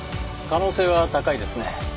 可能性は高いですね。